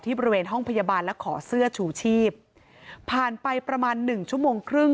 บริเวณห้องพยาบาลและขอเสื้อชูชีพผ่านไปประมาณหนึ่งชั่วโมงครึ่ง